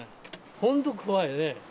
本当怖いね。